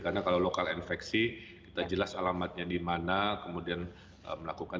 karena kalau lokal infeksi kita jelas alamatnya di mana kemudian melakukan